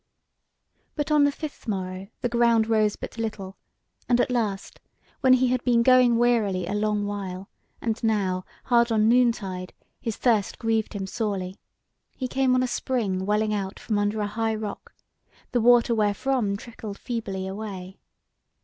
But on the fifth morrow the ground rose but little, and at last, when he had been going wearily a long while, and now, hard on noontide, his thirst grieved him sorely, he came on a spring welling out from under a high rock, the water wherefrom trickled feebly away.